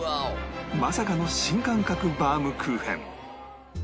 まさかの新感覚バウムクーヘン